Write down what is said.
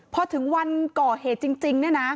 พอถึงวันก่อเหตุจริงเนี่ยนะ